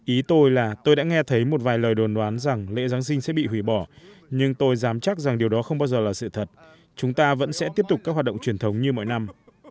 ý tôi là tôi đã nghe thấy một vài lời đồn đoán rằng lễ giáng sinh sẽ bị hủy bỏ nhưng tôi dám chắc rằng điều đó không bao giờ là sự thật chúng ta vẫn sẽ tiếp tục các hoạt động truyền thống như mọi năm